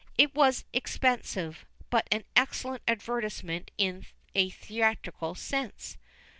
It was expensive, but an excellent advertisement in a theatrical sense.